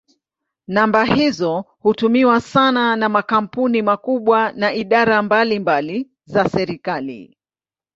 Namba hizo hutumiwa sana na makampuni makubwa na idara mbalimbali za serikali.